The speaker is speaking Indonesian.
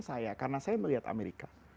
saya karena saya melihat amerika